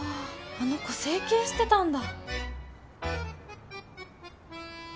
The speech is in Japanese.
あの子整形してたんだ。